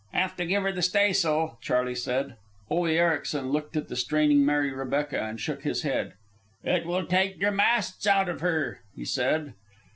"Have to give her the staysail," Charley said. Ole Ericsen looked at the straining Mary Rebecca and shook his head. "It will take der masts out of her," he said.